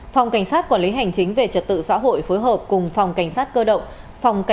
phòng cảnh sát quản lý hành chính về trật tự xã hội phối hợp cùng phòng cảnh sát cơ động phòng cảnh